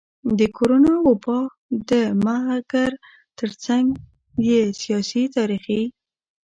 د کرونا وبا ده مګر ترڅنګ يې سياسي, تاريخي,